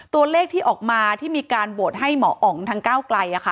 ตัวเลขที่ออกมาที่มีการโหวตให้หมออ๋องทางก้าวไกล